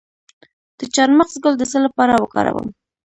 د چارمغز ګل د څه لپاره وکاروم؟